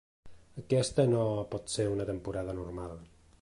Aquesta no pot ser una temporada normal.